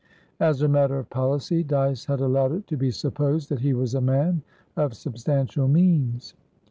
As a matter of policy, Dyce had allowed it to be supposed that he was a man of substantial means.